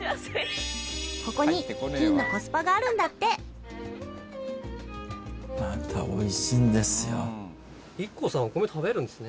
ここに金のコスパがあるんだってまたおいしいんですよ。